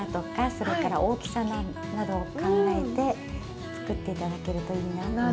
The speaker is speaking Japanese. それから大きさなどを考えて作っていただけるといいなと思います。